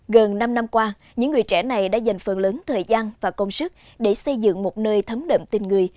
gần năm năm qua những người trẻ này đã dành phần lớn thời gian và công sức để xây dựng một nơi thấm đậm tình người